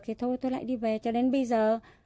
thì thôi tôi lại đi về cho đến bây giờ